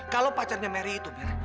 kalau pacarnya mary itu